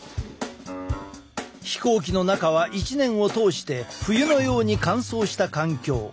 飛行機の中は一年を通して冬のように乾燥した環境。